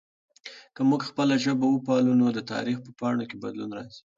که موږ خپله ژبه وپالو نو د تاریخ په پاڼو کې بدلون راځي.